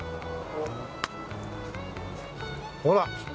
ほら。